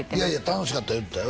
楽しかった言うてたよ